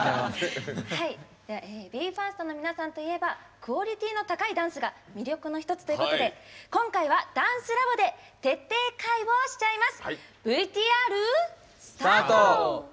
ＢＥ：ＦＩＲＳＴの皆さんといえばクオリティーの高いダンスが魅力の一つということで今回は「ＤＡＮＣＥＬａｂ．」で徹底解剖しちゃいます！